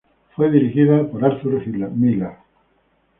Fue dirigida por Arthur Hiller.